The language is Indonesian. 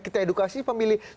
kita edukasi pemilihnya